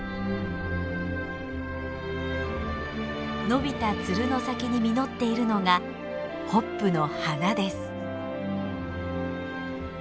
伸びたツルの先に実っているのがホップの花です。